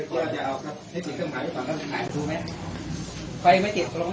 กล้องไม่ได้ครับ